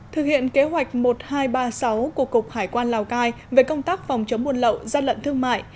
thực hiện kế hoạch một nghìn hai trăm ba mươi sáu của cục hải quan lào cai về công tác phòng chống buôn lậu gian lận thương mại